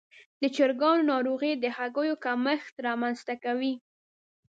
د چرګانو ناروغي د هګیو کمښت رامنځته کوي.